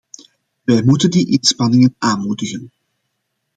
Wij moeten die inspanningen aanmoedigen.